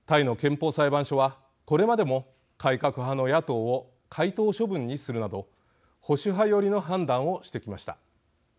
タイの憲法裁判所はこれまでも改革派の野党を解党処分にするなど保守派寄りの判断をしてきました。